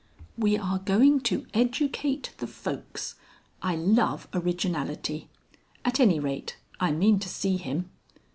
"We are going to educate the folks. I love originality. At any rate I mean to see him."